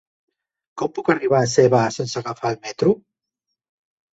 Com puc arribar a Seva sense agafar el metro?